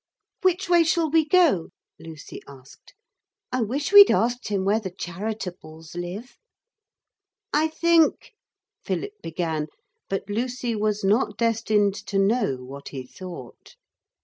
'Which way shall we go?' Lucy asked. 'I wish we'd asked him where the Charitables live.' 'I think,' Philip began; but Lucy was not destined to know what he thought.